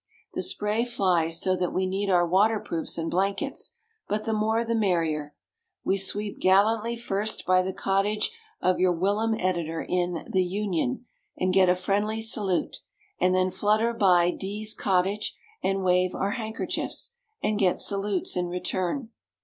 The spray flies, so that we need our water proofs and blankets; but the more the merrier. We sweep gallantly first by the cottage of your whilom editor in "The Union," and get a friendly salute; and then flutter by D 's cottage, and wave our handkerchiefs, and get salutes in return.